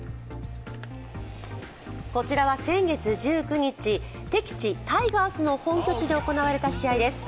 こちらは先月１９日、敵地タイガースの本拠地で行われた試合です。